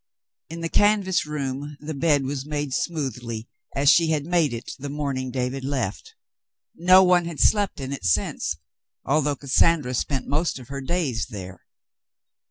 In the canvas room the bed was made smoothly, as she had made it the morning David left. No one had slept in it since, although Cassandra spent most of her days there.